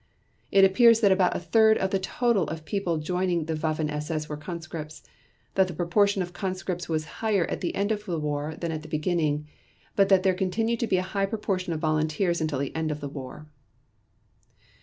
It appears that about a third of the total number of people joining the Waffen SS were conscripts, that the proportion of conscripts was higher at the end of the war than at the beginning, but that there continued to be a high proportion of volunteers until the end of the war.